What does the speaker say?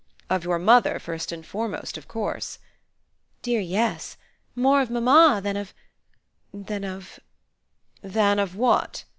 "Of your mother first and foremost of course." "Dear, yes; more of mamma than of than of " "Than of what?"